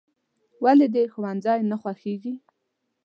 "ولې دې ښوونځی نه خوښېږي؟"